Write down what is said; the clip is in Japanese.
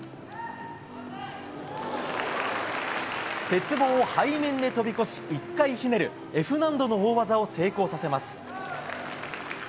鉄棒を背面で飛び越し、１回ひねるＦ難度の大技を成功させます。